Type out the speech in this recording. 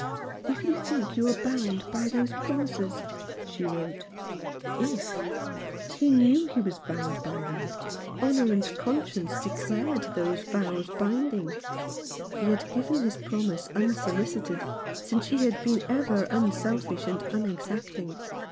" If you think you are bound by those promises," she wrote. "If!" He knew that he was bound by them. Honour and conscience declared those 5i Rough Justice. vows binding. He had given his promise un solicited, since she had been ever unselfish and unexacting.